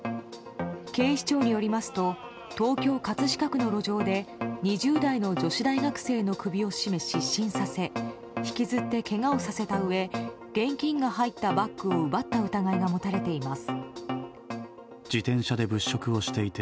警視庁によりますと東京・葛飾区の路上で２０代の女子大学生の首を絞め失神させ引きずってけがをさせたうえ現金が入ったバッグを奪った疑いが持たれています。